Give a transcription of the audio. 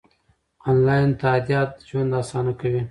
انلاین تادیات ژوند اسانه کوي.